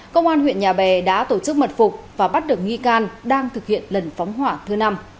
công an huyện nhà bè đã tổ chức mật phục và bắt được nghi can đang thực hiện lần phóng hỏa thứ năm